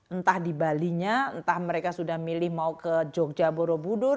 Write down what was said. entah di balinya entah mereka sudah milih mau ke jogja borobudur